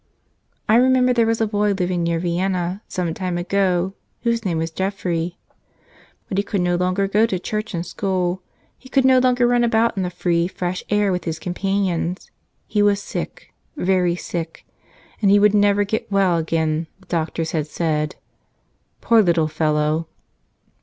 I remember there was a boy living near Vienna some time ago whose name was Godfrey. But he could no longer go to church and school; he could no longer run about in the free, fresh air with his companions; he was sick, very sick. And he would never get well again, the doctors had said. Poor little fellow!